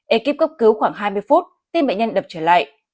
ekip cấp cứu khoảng hai mươi phút tin bệnh nhân đập trở lại